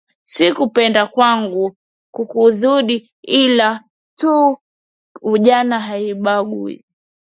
Si kupenda kwangu kukuudhi ila tu ujana haubagui.